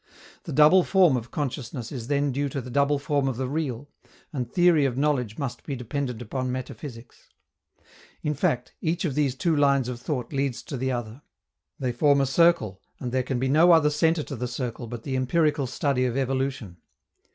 The double form of consciousness is then due to the double form of the real, and theory of knowledge must be dependent upon metaphysics. In fact, each of these two lines of thought leads to the other; they form a circle, and there can be no other centre to the circle but the empirical study of evolution.